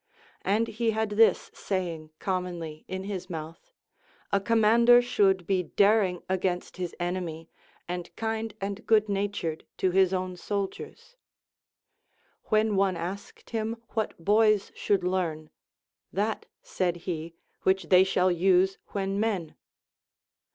And he had this saying com monly in his mouth, A commander should be daring against his enemy, and kind and good natured to his own soldiers. ΛVhen one asked him what boys should learn ; That, said he, which they shall use when men.